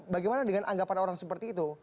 bagaimana dengan anggapan orang seperti itu